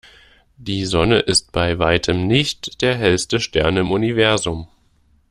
Die Sonne ist bei Weitem nicht der hellste Stern im Universum.